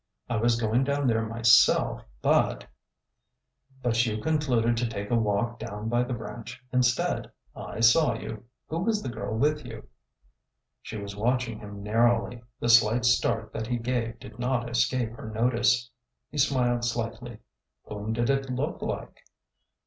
I was going down there myself, but—'' '' But you concluded to take a walk down by the branch instead. I saw you. Who was the girl with you?" She was watching him narrowly. The slight start that he gave did not escape her notice. He smiled slightly. " Whom did it look like